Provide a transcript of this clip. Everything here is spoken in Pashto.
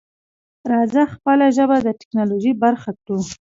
راځه خپله ژبه د ټکنالوژۍ برخه کړو.